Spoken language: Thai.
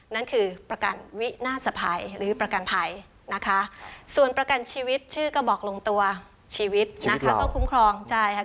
นั่นคือประกันวินาศภัยหรือประกันภัยนะคะส่วนประกันชีวิตชื่อก็บอกลงตัวชีวิตนะคะก็คุ้มครองใช่ค่ะ